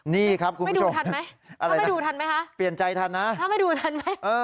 นี่ครับคุณผู้ชมอะไรนะถ้าไม่ดูทันไหมฮะถ้าไม่ดูทันไหม